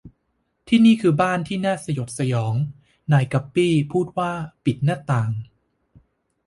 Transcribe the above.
ที่นี่คือบ้านที่น่าสยดสยอง นายกั๊ปปี้พูดว่า ปิดหน้าต่าง